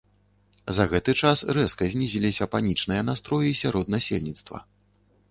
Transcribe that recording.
За гэты час рэзка знізіліся панічныя настроі сярод насельніцтва.